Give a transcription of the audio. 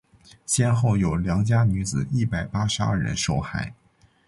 先后有良家女子一百八十二人受害。